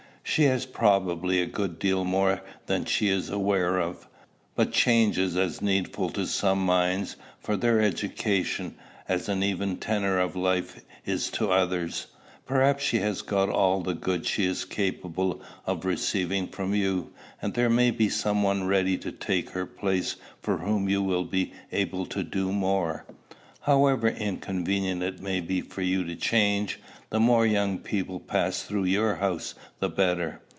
"She has probably a good deal more than she is aware of. But change is as needful to some minds, for their education, as an even tenor of life is to others. Probably she has got all the good she is capable of receiving from you, and there may be some one ready to take her place for whom you will be able to do more. However inconvenient it may be for you to change, the more young people pass through your house the better."